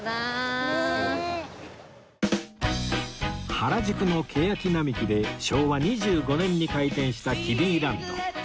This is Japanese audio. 原宿のケヤキ並木で昭和２５年に開店したキデイランド